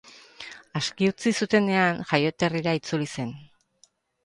Aske utzi zutenean, jaioterrira itzuli zen.